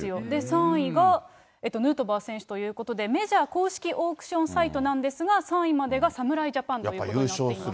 ３位がヌートバー選手ということで、メジャー公式オークションサイトなんですが、３位までが侍ジャパンということになっていますね。